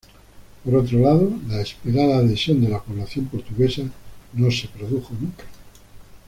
Por otro lado, la esperada adhesión de la población portuguesa no se produjo nunca.